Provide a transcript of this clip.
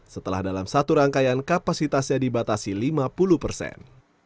setelah dalam satu rangkaian kapasitasnya dibatasi lima puluh persen